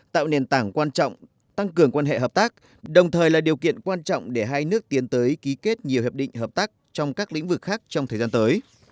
tạo nền tảng quan trọng tăng cường quan hệ hợp tác đồng thời là điều kiện quan trọng để hai nước tiến tới ký kết nhiều hiệp định hợp tác trong các lĩnh vực khác trong thời gian tới